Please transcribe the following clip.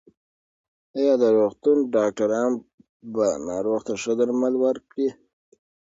ایا د روغتون ډاکټران به ناروغ ته ښه درمل ورکړي؟